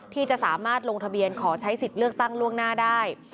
ที่จะสามารถลงทะเบียนขอใช้สิทธิ์เลือกตั้งล่วงหน้าได้